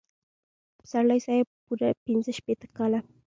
پسرلي صاحب پوره پنځه شپېته کاله.